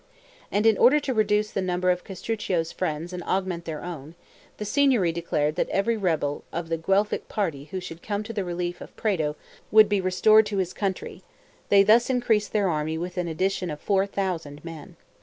And in order to reduce the number of Castruccio's friends and augment their own, the Signory declared that every rebel of the Guelphic party who should come to the relief of Prato would be restored to his country; they thus increased their army with an addition of four thousand men.